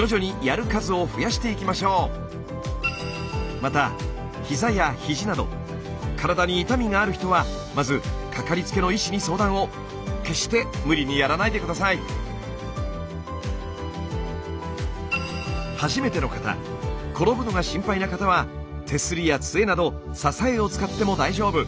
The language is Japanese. またひざやひじなど初めての方転ぶのが心配な方は手すりや杖など支えを使っても大丈夫。